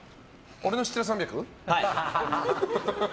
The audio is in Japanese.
俺の知ってる３００？